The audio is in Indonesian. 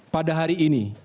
pada hari ini